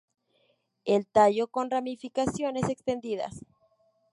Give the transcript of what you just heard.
El tallo con ramificaciones extendidas.